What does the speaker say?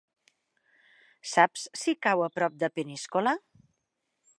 Saps si cau a prop de Peníscola?